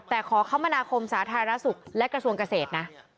แต่ขอคมนาคมสาธารณสุขและกระทรวงเกษตรนะ